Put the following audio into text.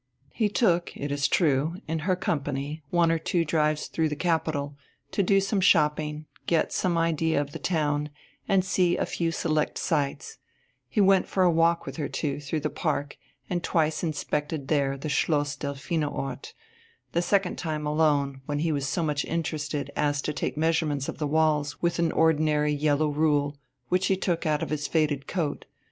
He took, it is true, in her company one or two drives through the capital, to do some shopping, get some idea of the town, and see a few select sights; he went for a walk with her too, through the park and twice inspected there the Schloss Delphinenort the second time alone, when he was so much interested as to take measurements of the walls with an ordinary yellow rule, which he took out of his faded coat....